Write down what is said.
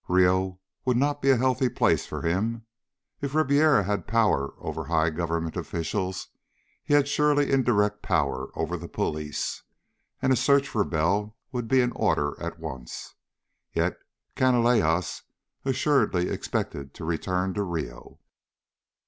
Rio would not be a healthy place for him. If Ribiera had power over high government officials, he had surely indirect power over the police, and a search for Bell would be in order at once. Yet Canalejas assuredly expected to return to Rio.